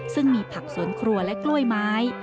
ซึ่งมีผักสวนครัวและกล้วยไม้